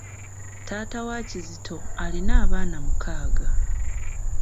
Taata wa Kizito alina abaana mukaaga.